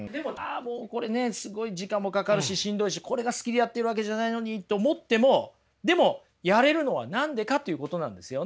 もうこれねすごい時間もかかるししんどいしこれが好きでやってるわけじゃないのにって思ってもでもやれるのは何でかということなんですよね。